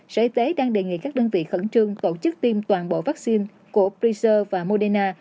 sở y tế đang đề nghị các đơn vị khẩn trương tổ chức tiêm toàn bộ vaccine của pfizer và moderna